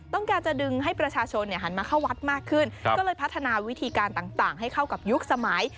การจะดึงให้ประชาชนหันมาเข้าวัดมากขึ้นก็เลยพัฒนาวิธีการต่างให้เข้ากับยุคสมัย